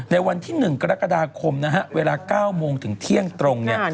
ในวันที่๑กรกฎาคมเวลา๙โมงถึงเที่ยงตรง